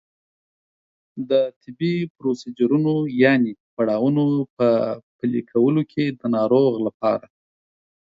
د طبي پروسیجرونو یانې پړاوونو په پلي کولو کې د ناروغ لپاره